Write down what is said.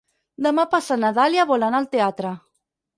Demà passat na Dàlia vol anar al teatre.